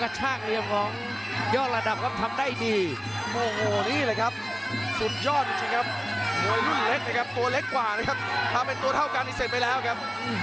ถ้าเป็นตัวเท่ากันที่เสร็จไปแล้วครับ